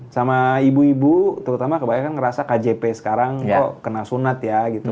sama ibu ibu terutama kebanyakan ngerasa kjp sekarang kok kena sunat ya gitu